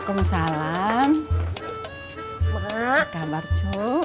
sekarang saya kembali lagi ke kantor cabang ya pak